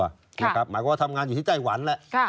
หมายความว่าทำงานอยู่ที่ไต้หวันแหละ